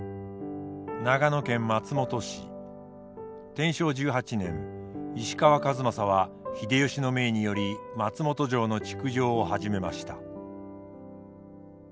天正１８年石川数正は秀吉の命により松本城の築城を始めました。